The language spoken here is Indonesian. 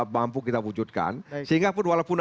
mampu kita wujudkan sehingga pun walaupun